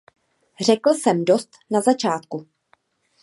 Řekl jsem dost na začátku.